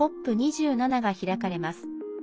ＣＯＰ２７が開かれます。